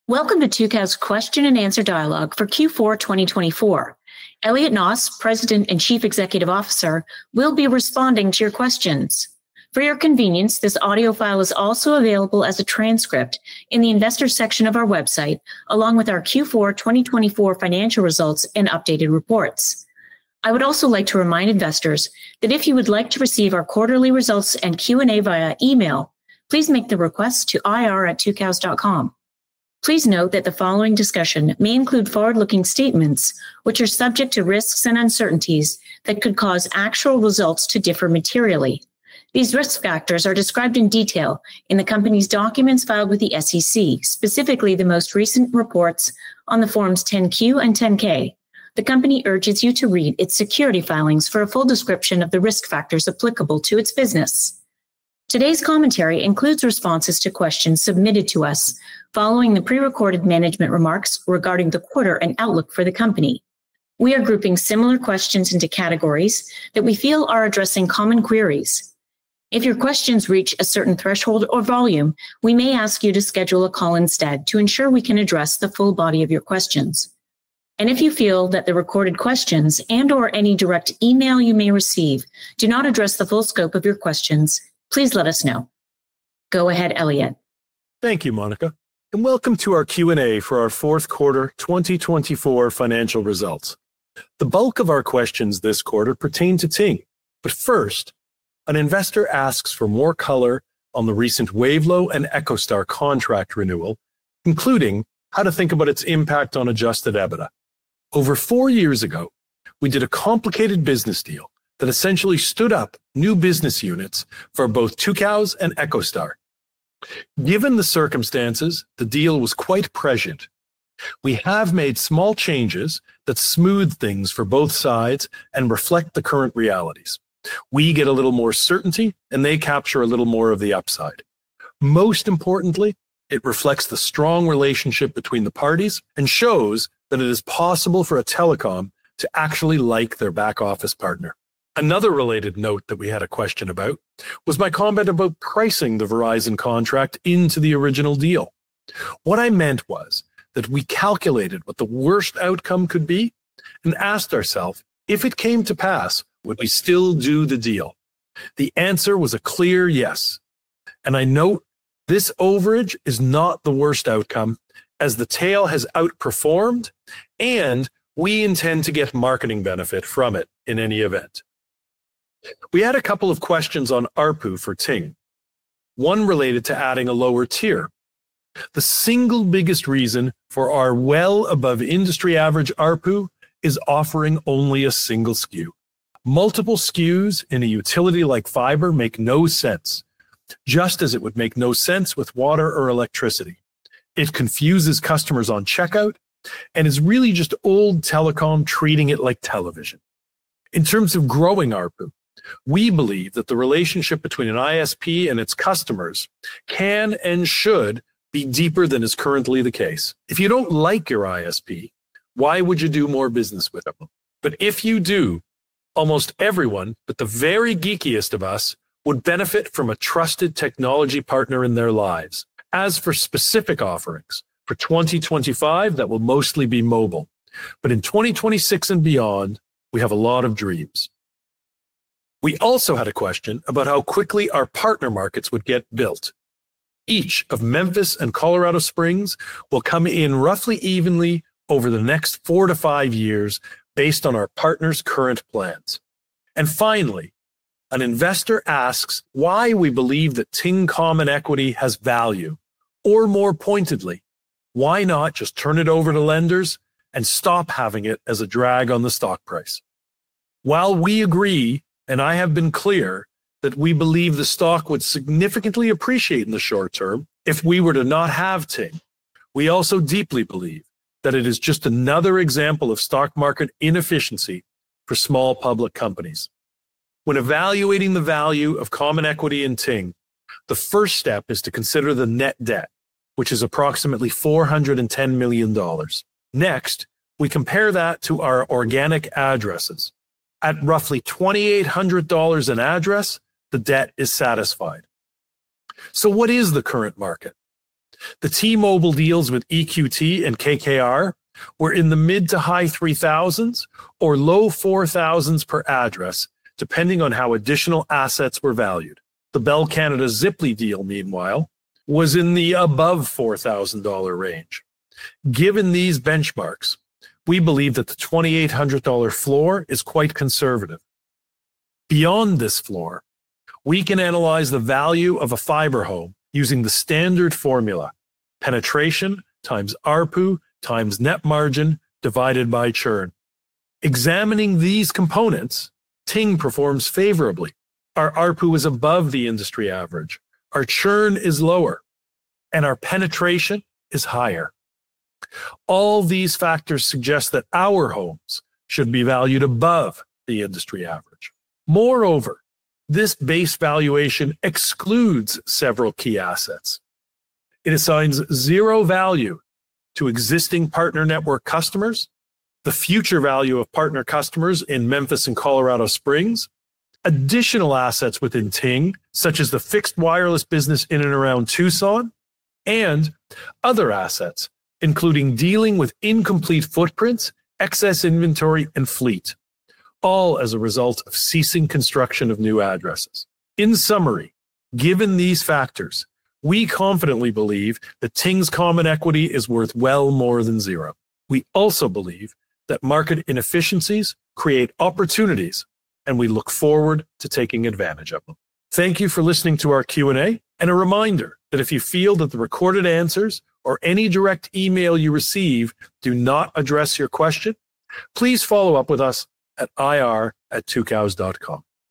Welcome to Tucows Question and Answer Dialogue for Q4 2024. Elliot Noss, President and Chief Executive Officer, will be responding to your questions. For your convenience, this audio file is also available as a transcript in the Investor section of our website, along with our Q4 2024 financial results and updated reports. I would also like to remind investors that if you would like to receive our quarterly results and Q&A via email, please make the request to ir@tucows.com. Please note that the following discussion may include forward-looking statements, which are subject to risks and uncertainties that could cause actual results to differ materially. These risk factors are described in detail in the company's documents filed with the SEC, specifically the most recent reports on the Forms 10-Q and 10-K. The company urges you to read its security filings for a full description of the risk factors applicable to its business. Today's commentary includes responses to questions submitted to us following the prerecorded management remarks regarding the quarter and outlook for the company. We are grouping similar questions into categories that we feel are addressing common queries. If your questions reach a certain threshold or volume, we may ask you to schedule a call instead to ensure we can address the full body of your questions. If you feel that the recorded questions and/or any direct email you may receive do not address the full scope of your questions, please let us know. Go ahead, Elliot. Thank you, Monica. Welcome to our Q&A for our fourth quarter 2024 financial results. The bulk of our questions this quarter pertain to Ting. First, an investor asks for more color on the recent Wavelo and EchoStar contract renewal, including how to think about its impact on adjusted EBITDA. Over four years ago, we did a complicated business deal that essentially stood up new business units for both Tucows and EchoStar. Given the circumstances, the deal was quite prescient. We have made small changes that smooth things for both sides and reflect the current realities. We get a little more certainty, and they capture a little more of the upside. Most importantly, it reflects the strong relationship between the parties and shows that it is possible for a telecom to actually like their back office partner. Another related note that we had a question about was my comment about pricing the Verizon contract into the original deal. What I meant was that we calculated what the worst outcome could be and asked ourself, if it came to pass, would we still do the deal? The answer was a clear yes. I note this overage is not the worst outcome, as the tail has outperformed, and we intend to get marketing benefit from it in any event. We had a couple of questions on ARPU for Ting. One related to adding a lower tier. The single biggest reason for our well above industry average ARPU is offering only a single SKU. Multiple SKUs in a utility like fiber make no sense, just as it would make no sense with water or electricity. It confuses customers on checkout and is really just old telecom treating it like television. In terms of growing ARPU, we believe that the relationship between an ISP and its customers can and should be deeper than is currently the case. If you don't like your ISP, why would you do more business with them? If you do, almost everyone, but the very geekiest of us, would benefit from a trusted technology partner in their lives. As for specific offerings for 2025, that will mostly be mobile. In 2026 and beyond, we have a lot of dreams. We also had a question about how quickly our partner markets would get built. Each of Memphis and Colorado Springs will come in roughly evenly over the next four to five years based on our partner's current plans. Finally, an investor asks why we believe that Ting's common equity has value, or more pointedly, why not just turn it over to lenders and stop having it as a drag on the stock price. While we agree, and I have been clear, that we believe the stock would significantly appreciate in the short term if we were to not have Ting, we also deeply believe that it is just another example of stock market inefficiency for small public companies. When evaluating the value of common equity and Ting, the first step is to consider the net debt, which is approximately $410 million. Next, we compare that to our organic addresses. At roughly $2,800 an address, the debt is satisfied. What is the current market? The T-Mobile deals with EQT and KKR were in the mid to high $3,000s or low $4,000s per address, depending on how additional assets were valued. The Bell Canada, Ziply deal, meanwhile, was in the above $4,000 range. Given these benchmarks, we believe that the $2,800 floor is quite conservative. Beyond this floor, we can analyze the value of a fiber home using the standard formula: penetration times ARPU times net margin divided by churn. Examining these components, Ting performs favorably. Our ARPU is above the industry average. Our churn is lower, and our penetration is higher. All these factors suggest that our homes should be valued above the industry average. Moreover, this base valuation excludes several key assets. It assigns zero value to existing partner network customers, the future value of partner customers in Memphis and Colorado Springs, additional assets within Ting, such as the fixed wireless business in and around Tucson, and other assets, including dealing with incomplete footprints, excess inventory, and fleet, all as a result of ceasing construction of new addresses. In summary, given these factors, we confidently believe that Ting's common equity is worth well more than zero. We also believe that market inefficiencies create opportunities, and we look forward to taking advantage of them. Thank you for listening to our Q&A, and a reminder that if you feel that the recorded answers or any direct email you receive do not address your question, please follow up with us at ir@tucows.com.